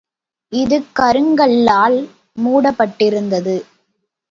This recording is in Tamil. இது கருங்கல்லால் மூடப்பட்டிருந்தது.